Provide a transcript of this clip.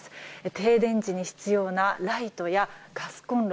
停電時に必要なライトやガスコンロ